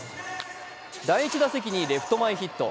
第１打席にレフト前ヒット。